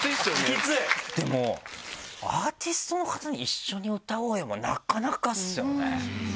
でもアーティストの方に「一緒に歌おうよ」もなかなかっすよね。